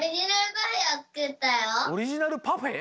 オリジナルパフェ？